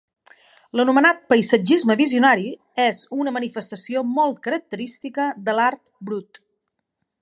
L'anomenat paisatgisme visionari és una manifestació molt característica de l'art brut.